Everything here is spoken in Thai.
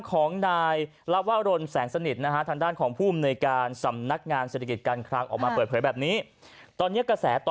เพราะต้องเกราะข้อมูลว่าคุณจะไปที่ไหน